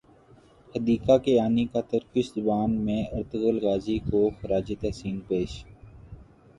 حدیقہ کیانی کا ترکش زبان میں ارطغرل غازی کو خراج تحسین پیش